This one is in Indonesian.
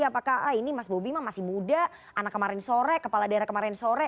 apakah ah ini mas bobi masih muda anak kemarin sore kepala daerah kemarin sore